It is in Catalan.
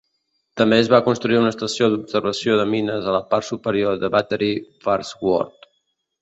També es va construir una estació d'observació de mines a la part superior de Battery Farnsworth.